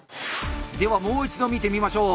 ではもう一度見てみましょう。